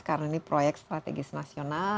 karena ini proyek strategis nasional